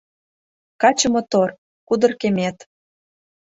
Каче мотор — кудыр кемет.